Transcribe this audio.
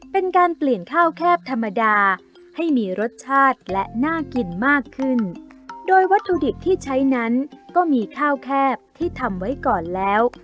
เป็นการเปลี่ยนข้าวแคบธรรมดาให้มีรสชาติและน่ากินมากขึ้นโดยวัตถุดิบที่ใช้นั้นก็มีข้าวแคบที่ทำไว้ก่อนแล้ว